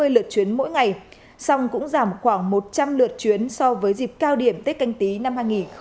lượt chuyến mỗi ngày xong cũng giảm khoảng một trăm linh lượt chuyến so với dịp cao điểm tết canh tí năm hai nghìn hai mươi